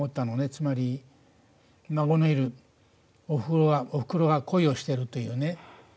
つまり、孫のいるおふくろが恋をしてるというね。